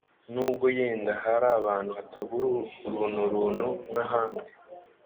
Nubwo yenda ahari abantu Hatabura urunturuntu nk’ahandi.